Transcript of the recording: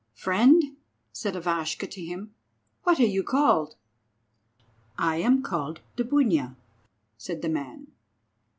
"Friend," said Ivashka to him, "what are you called?" "I am called Dubunia," said the man.